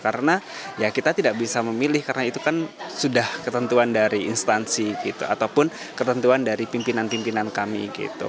karena ya kita tidak bisa memilih karena itu kan sudah ketentuan dari instansi gitu ataupun ketentuan dari pimpinan pimpinan kami gitu